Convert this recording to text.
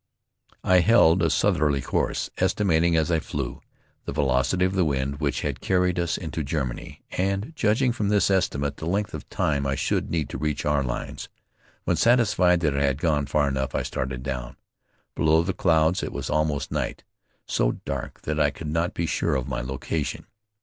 I held a southerly course, estimating, as I flew, the velocity of the wind which had carried us into Germany, and judging from this estimate the length of time I should need to reach our lines. When satisfied that I had gone far enough, I started down. Below the clouds it was almost night, so dark that I could not be sure of my location.